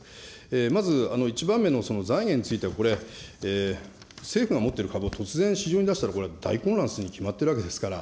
まず、１番目の財源については、これ、政府が持っている株を突然市場に出したら、大混乱するに決まっているわけですから。